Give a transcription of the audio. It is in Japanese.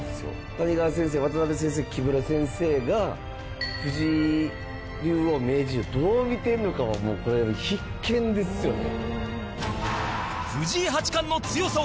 谷川先生、渡辺先生、木村先生が藤井竜王・名人をどう見ているのかはこれ、必見ですよね。